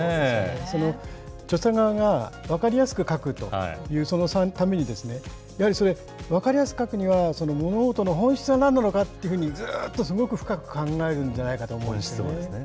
その著者側が分かりやすく書くというために、やはりそれ、分かりやすく書くには、物事の本質はなんなのかというふうにずっとすごく深く考えるんじゃないかと思うんですよね。